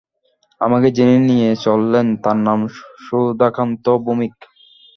আমাকে যিনি নিয়ে চললেন, তাঁর নাম সুধাকান্ত ভৌমিক।